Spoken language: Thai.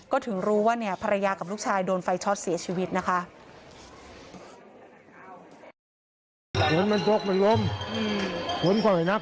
ก็ถึงรู้ว่าเนี่ยภรรยากับลูกชายโดนไฟช็อตเสียชีวิตนะคะ